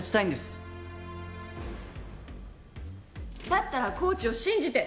だったらコーチを信じて。